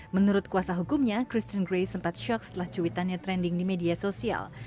menurut kuasa hukumnya christine grace sempat shock setelah cuitannya trending di media sosial